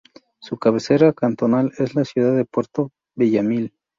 Su cabecera cantonal es la ciudad de Puerto Villamil.